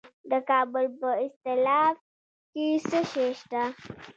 د کابل په استالف کې څه شی شته؟